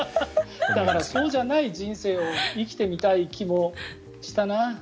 だからそうじゃない人生を生きてみたい気もしたな。